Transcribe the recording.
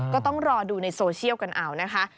ก็ต้องรอดูในโซเชียลกันเอานะคะ